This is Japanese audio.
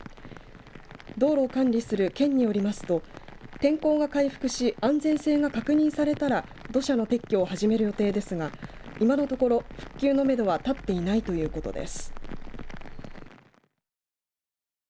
道路を管理する県によりますと天候が回復し安全性が確認されたら土砂の撤去を始める予定ですが今のところ復旧のめどは立っていないということです。